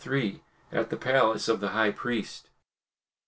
AT THE PALACE OF THE HIGH PRIEST.